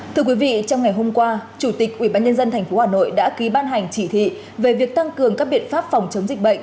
thưa quý vị trong ngày hôm qua chủ tịch ubnd tp hà nội đã ký ban hành chỉ thị về việc tăng cường các biện pháp phòng chống dịch bệnh